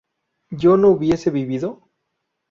¿yo no hubiese vivido?